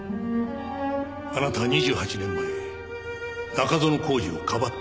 あなたは２８年前中園宏司をかばった。